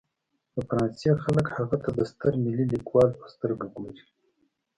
د فرانسې خلک هغه ته د ستر ملي لیکوال په سترګه ګوري.